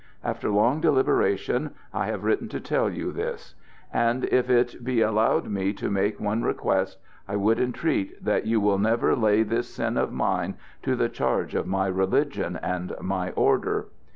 "After long deliberation I have written to tell you this; and if it be allowed me to make one request, I would entreat that you will never lay this sin of mine to the charge of my religion and my order.